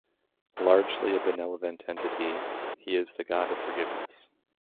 Largely a benevolent entity, he is the god of forgiveness.